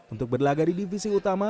untuk berlaga di divisi utama